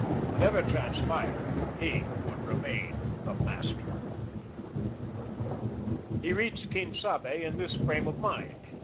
Whatever transpired he would remain the master. He reached Quien Sabe in this frame of mind.